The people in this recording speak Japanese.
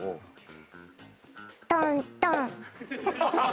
トントン！